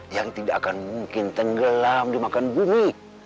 yang tidak akan mungkin tenggelam di makan bumi